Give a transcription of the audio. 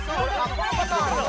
このパターンあるんだ